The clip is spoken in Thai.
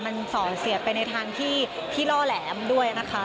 มันสอนเสียดไปในทางที่ล่อแหลมด้วยนะคะ